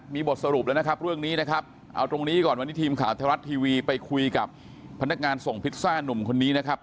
มีบทสรุปแล้วนะครับเรื่องนี้นะครับเอาตรงนี้ก่อนวันนี้ทีมข่าวไทยรัฐทีวีไปคุยกับพนักงานส่งพิซซ่าหนุ่มคนนี้นะครับ